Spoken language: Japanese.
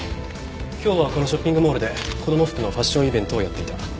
今日はこのショッピングモールで子供服のファッションイベントをやっていた。